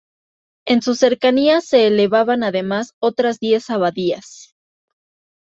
En sus cercanías se elevaban además otras diez abadías.